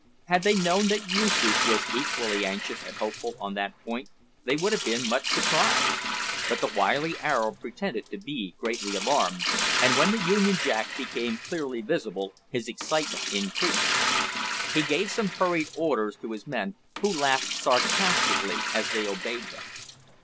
Had they known that Yoosoof was equally anxious and hopeful on that point they would have been much surprised; but the wily Arab pretended to be greatly alarmed, and when the Union Jack became clearly visible his excitement increased. He gave some hurried orders to his men, who laughed sarcastically as they obeyed them.